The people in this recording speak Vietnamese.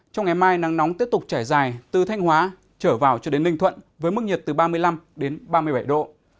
trong ngày mai nắng nóng tiếp tục trải dài từ thanh hóa trở vào cho đến ninh thuận với mức nhiệt từ ba mươi năm đến ba mươi bảy độ